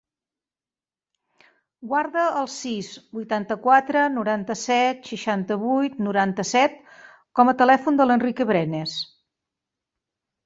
Guarda el sis, vuitanta-quatre, noranta-set, seixanta-vuit, noranta-set com a telèfon de l'Enrique Brenes.